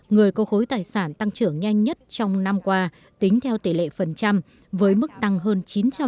người có khối tài sản tăng trưởng nhanh nhất trong năm qua tính theo tỷ lệ phần trăm với mức tăng hơn chín trăm linh